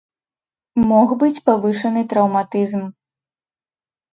Мог быць павышаны траўматызм.